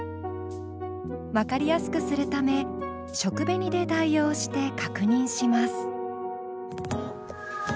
分かりやすくするため食紅で代用して確認します。